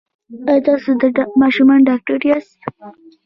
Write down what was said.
ایا تاسو د ماشومانو ډاکټر یاست؟